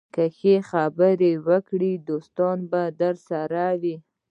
که ښه خبرې وکړې، دوستان به درسره وي